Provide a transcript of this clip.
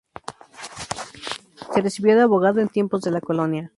Se recibió de abogado en tiempos de la colonia.